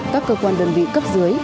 các cơ quan đơn vị cấp dưới